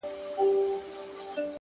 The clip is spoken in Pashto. هره لاسته راوړنه د جرئت ثمره ده.!